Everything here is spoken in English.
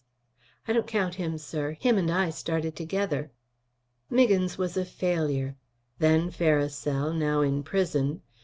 "I don't count him, sir. Him and I started together." "Miggins was a failure. Then Farisell; now in prison.